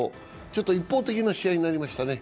一方的な試合になりましたね。